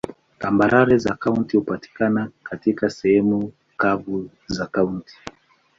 Tambarare za kaunti hupatikana katika sehemu kavu za kaunti.